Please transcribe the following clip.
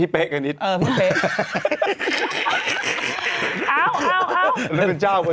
สีวิต้ากับคุณกรนิดหนึ่งดีกว่านะครับแฟนแห่เชียร์หลังเห็นภาพ